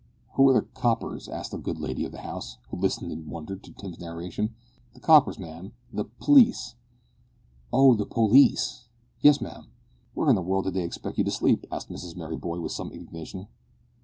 "Who are the `coppers?'" asked the good lady of the house, who listened in wonder to Tim's narration. "The coppers, ma'am, the the pl'eece." "Oh! the police?" "Yes, ma'am." "Where in the world did they expect you to sleep?" asked Mrs Merryboy with some indignation.